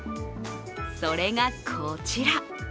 それがこちら。